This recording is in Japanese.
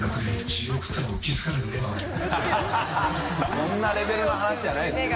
そんなレベルの話じゃないですけどね。